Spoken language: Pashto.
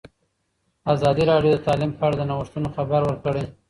ازادي راډیو د تعلیم په اړه د نوښتونو خبر ورکړی.